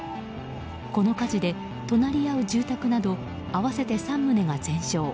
この火事で、隣り合う住宅など合わせて３棟が全焼。